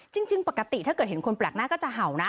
จริงปกติถ้าเกิดเห็นคนแปลกหน้าก็จะเห่านะ